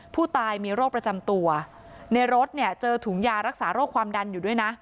ผู้ตายมีโรคประจำตัวในรถเนี่ยเจอถุงยารักษาโรคความดันอยู่ด้วยนะ